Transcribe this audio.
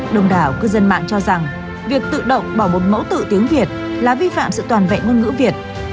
đồng đảo cư dân mạng cho rằng việc tự động bỏ một mẫu tự tiếng việt là vi phạm sự toàn vẹn ngôn ngữ việt